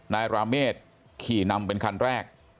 ราเมฆขี่นำเป็นคันแรก